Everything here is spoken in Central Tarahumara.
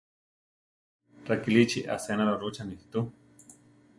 Rakilíchi asénalo rúchane tu.